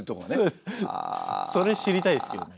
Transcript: それ知りたいですけどね。